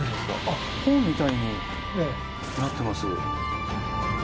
本みたいになってます。